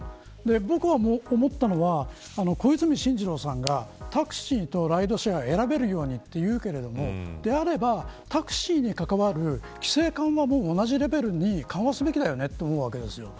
僕が思ったのは小泉進次郎さんがタクシーとライドシェアを選べるようにと言うけれどもであればタクシーに関わる規制緩和も同じレベルに緩和すべきではと思うわけですよね。